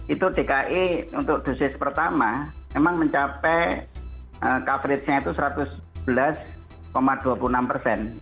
itu dki untuk dosis pertama memang mencapai coverage nya itu satu ratus sebelas dua puluh enam persen